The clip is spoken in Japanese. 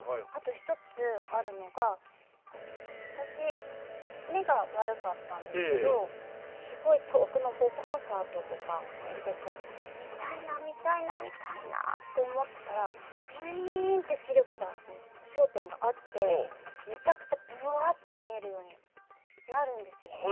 あと一つあるのが私目が悪かったんですけどすごい遠くのコンサートとか見てて「見たいな見たいな見たいなあ」って思ってたらギュインって視力が焦点が合ってめちゃくちゃぶわって見えるようになるんですよ。